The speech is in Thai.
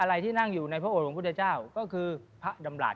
อะไรที่นั่งอยู่ในพระองค์พุทธเจ้าก็คือพระดำรัฐ